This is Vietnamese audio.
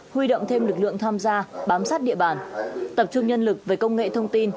huy động thêm lực lượng tham gia bám sát địa bàn tập trung nhân lực về công nghệ thông tin